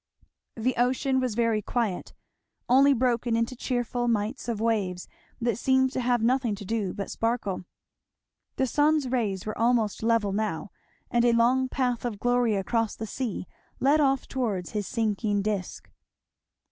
The ocean was very quiet, only broken into cheerful mites of waves that seemed to have nothing to do but sparkle. The sun's rays were almost level now, and a long path of glory across the sea led off towards his sinking disk.